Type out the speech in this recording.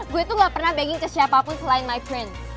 gue tuh gak pernah begging ke siapapun selain my friends